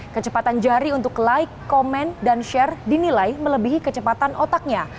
kecepatan jari untuk like komen dan share dinilai melebihi kecepatan otaknya